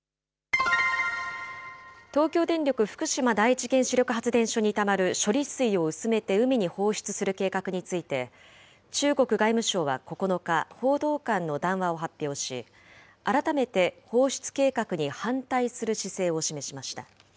東京電力福島第一原子力発電所にたまる処理水を薄めて海に放出する計画について、中国外務省は９日、報道官の談話を発表し、改めて放出計画に反対する姿勢を示しました。